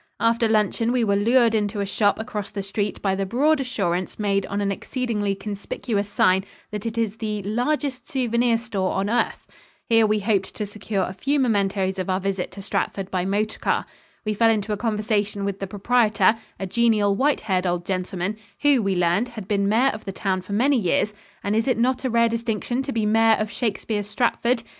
After luncheon we were lured into a shop across the street by the broad assurance made on an exceedingly conspicuous sign that it is the "largest souvenir store on earth." Here we hoped to secure a few mementos of our visit to Stratford by motor car. We fell into a conversation with the proprietor, a genial, white haired old gentleman, who, we learned, had been Mayor of the town for many years and is it not a rare distinction to be Mayor of Shakespeare's Stratford?